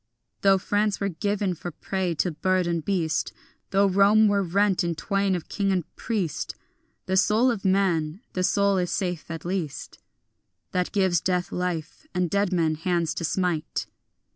Though France were given for prey to bird and beast, Though Rome were rent in twain of king and priest, The soul of man, the soul is safe at least That gives death life and dead men hands to smite.